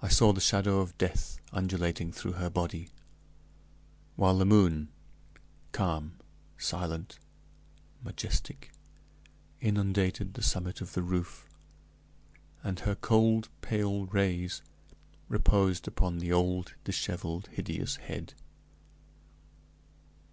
I saw the shadow of death undulating through her body, while the moon, calm, silent, majestic, inundated the summit of the roof, and her cold, pale rays reposed upon the old, disheveled, hideous head.